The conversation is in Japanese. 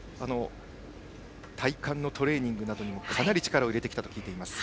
体幹のトレーニングなどにもかなり力を入れてきたと聞いています。